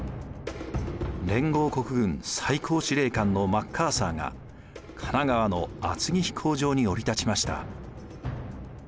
連合国軍最高司令官のマッカーサーが神奈川の厚木飛行場に降り立ちました。